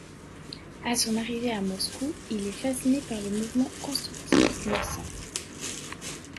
À son arrivée à Moscou il est fasciné par le mouvement constructiviste naissant.